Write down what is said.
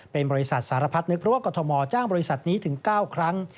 เป็นบริษัทสารพัดนึกเพราะว่ากรทมจ้างบริษัทนี้ถึง๙ครั้ง